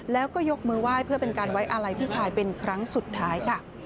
แล้วก็ยกมือไหว้เพื่อเป็นการไว้อาลัยพี่ชายเป็นครั้งสุดท้ายค่ะ